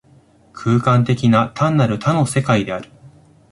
空間的な、単なる多の世界である。